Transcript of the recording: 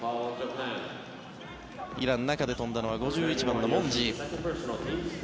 イラン、中で飛んだのは５１番のモンジ。